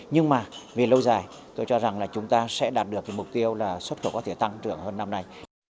nhưng mà vì lâu dài tôi cho rằng là chúng ta sẽ đạt được cái mục tiêu là xuất khẩu có thể tăng trưởng hơn năm nay